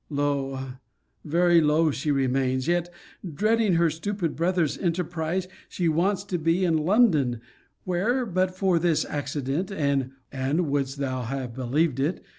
Low, very low, she remains; yet, dreading her stupid brother's enterprise, she wants to be in London, where, but for this accident, and (wouldst thou have believed it?)